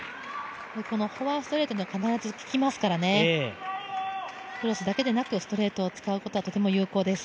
フォアストレーは必ず効きますからね、クロスだけでなくストレートを使うことがとても有効です。